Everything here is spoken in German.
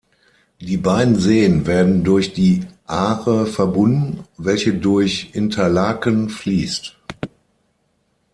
Die beiden Seen werden durch die Aare verbunden, welche durch Interlaken fliesst.